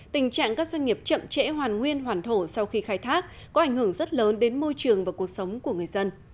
tình trạng các doanh nghiệp chậm trễ hoàn nguyên hoàn thổ sau khi khai thác có ảnh hưởng rất lớn đến môi trường và cuộc sống của người dân